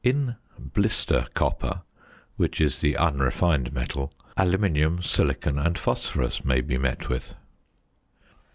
In "blister copper" (which is the unrefined metal), aluminium, silicon, and phosphorus may be met with.